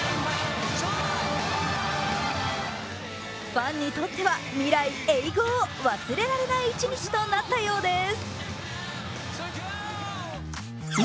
ファンにとっては未来エイゴー、忘れられない一日となったようです。